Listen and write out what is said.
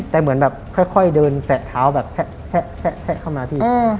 แต่เหมือนแบบค่อยเดินแสะเท้าแบบแซะเข้ามาพี่